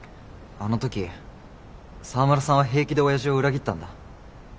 あの時沢村さんは平気で親父を裏切ったんだ。